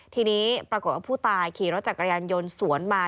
ทีนี้ปรากฏว่าผู้ตายขี่รถจักรยานยนต์สวนมา